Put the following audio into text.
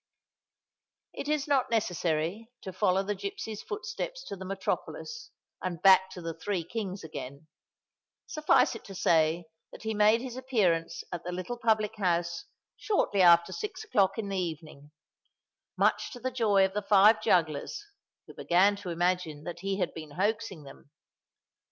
It is not necessary to follow the gipsy's footsteps to the metropolis, and back to the Three Kings again: suffice it to say that he made his appearance at the little public house shortly after six o'clock in the evening—much to the joy of the five jugglers, who began to imagine that he had been hoaxing them.